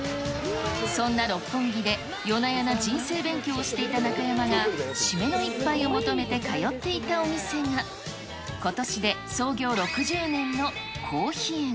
そんな六本木で夜な夜な人生勉強をしていた中山が締めの一杯を求めて通っていたお店が、ことしで創業６０年の香妃園。